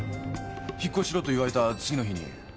引越ししろと言われた次の日に？